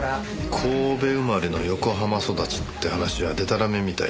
神戸生まれの横浜育ちって話はでたらめみたいですね。